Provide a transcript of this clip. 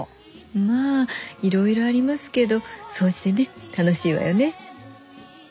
まぁいろいろありますけど総じてね楽しいわよねぇ。